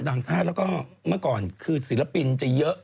ต่างชาติแล้วก็เมื่อก่อนคือศิลปินจะเยอะ